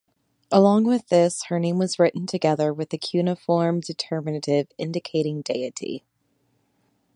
Along with this her name was written together with the cuneiform determinative indicating deity.